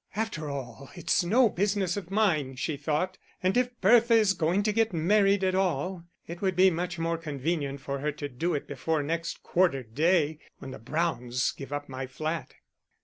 "After all it's no business of mine," she thought; "and if Bertha is going to get married at all, it would be much more convenient for her to do it before next quarter day, when the Browns give up my flat."